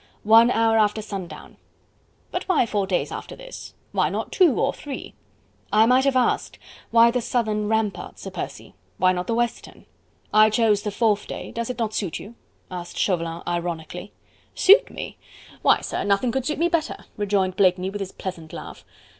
"One hour after sundown." "But why four days after this? Why not two or three?" "I might have asked, why the southern ramparts, Sir Percy; why not the western? I chose the fourth day does it not suit you?" asked Chauvelin ironically. "Suit me! Why, sir, nothing could suit me better," rejoined Blakeney with his pleasant laugh.